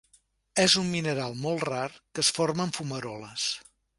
És un mineral molt rar, que es forma en fumaroles.